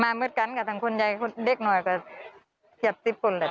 มาเหมือนกันกับทางคุณยายเด็กหน่อยกว่าเฉียบสิบคนเลย